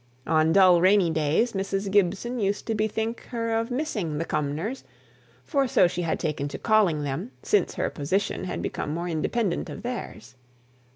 On dull rainy days, Mrs. Gibson used to bethink her of missing "the Cumnors," for so she had taken to calling them since her position had become more independent of theirs.